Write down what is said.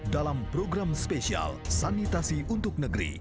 dalam program spesial sanitasi untuk negeri